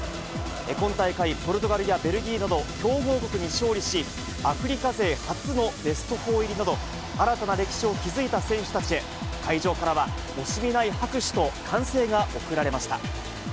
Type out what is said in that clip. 今大会、ポルトガルやベルギーなど、強豪国に勝利し、アフリカ勢初のベスト４入りなど、新たな歴史を築いた選手たちへ、会場からは惜しみない拍手と歓声が送られました。